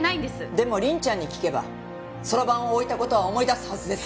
でも凛ちゃんに聞けばそろばんを置いた事は思い出すはずです。